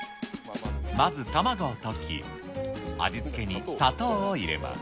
まず卵を溶き、味付けに砂糖を入れます。